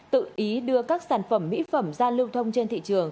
tự ý đưa các sản phẩm mỹ phẩm ra lưu thông trên thị trường